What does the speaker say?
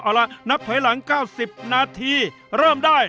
เอาล่ะนับถอยหลัง๙๐นาทีเริ่มได้